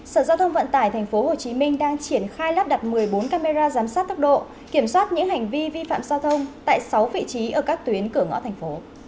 sở giao thông vận tải tp hcm đang triển khai lắp đặt một mươi bốn camera giám sát tốc độ kiểm soát những hành vi vi phạm giao thông tại sáu vị trí ở các tuyến cửa ngõ thành phố